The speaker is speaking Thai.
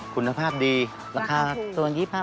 คุณภาพดีราคาตัว๒๕บาท